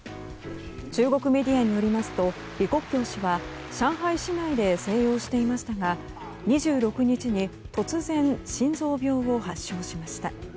中国メディアによりますと李克強氏は上海市内で静養していましたが２６日に突然心臓病を発症しました。